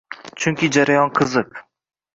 Chunki jarayon qiziq.